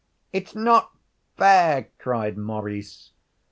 'It's not fair!' cried Maurice.